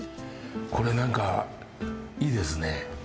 これなんかいいですね。